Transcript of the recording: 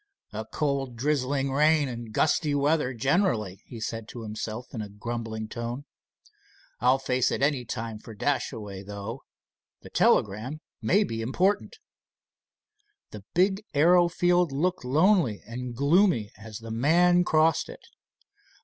"A cold drizzling rain and gusty weather generally," he said to himself in a grumbling tone. "I'll face it any time for Dashaway, though. The telegram may be important." The big aero field looked lonely and gloomy as the man crossed it.